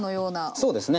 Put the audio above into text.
そうですね。